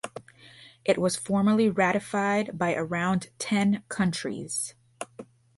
It was formally ratified by around ten countries.